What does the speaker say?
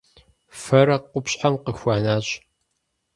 Фэрэ къупщхьэм къыхуэнащ.